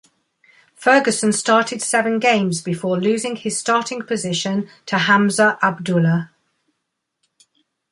Ferguson started seven games before losing his starting position to Hamza Abdullah.